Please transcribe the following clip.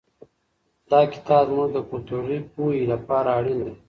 دا کتاب زموږ د کلتوري پوهې لپاره اړین دی.